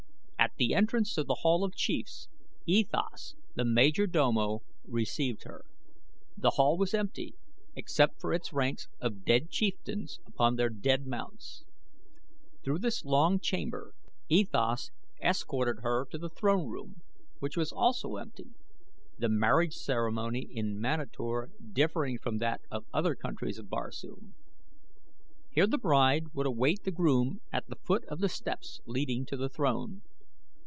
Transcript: At the entrance to The Hall of Chiefs E Thas, the major domo, received her. The Hall was empty except for its ranks of dead chieftains upon their dead mounts. Through this long chamber E Thas escorted her to the throne room which also was empty, the marriage ceremony in Manator differing from that of other countries of Barsoom. Here the bride would await the groom at the foot of the steps leading to the throne.